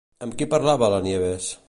Amb qui parlava la Nieves?